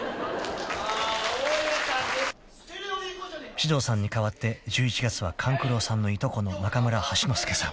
［獅童さんに代わって１１月は勘九郎さんのいとこの中村橋之助さん］